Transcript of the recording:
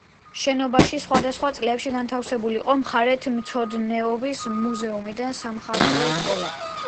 შენობაში სხვადასხვა წლებში განთავსებული იყო მხარეთმცოდნეობის მუზეუმი და სამხატვრო სკოლა.